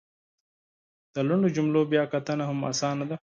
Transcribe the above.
د لنډو جملو بیا کتنه هم اسانه ده !